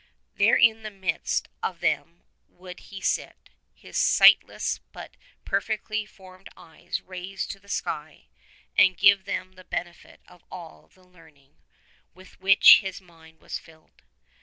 There in the midst of them would he sit, his sightless but perfectly formed eyes raised to the sky, and give them the benefit of all the learning with which his mind was filled.